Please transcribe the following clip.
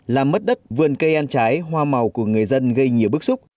làm mất đất vườn cây ăn trái hoa màu của người dân gây nhiều bức xúc